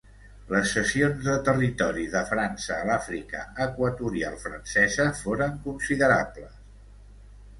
Les cessions de territori de França a l'Àfrica Equatorial Francesa, foren considerables.